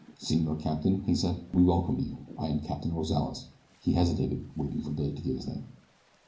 "Senor Captain," he said, "we welcome you. I am Captain Rozales." He hesitated waiting for Billy to give his name.